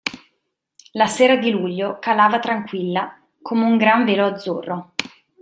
La sera di luglio calava tranquilla come un gran velo azzurro.